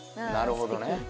・なるほどね。